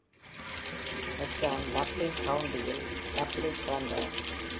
McCann, Dublin கவுண்டியில் டப்ளினில் பிறந்தார்.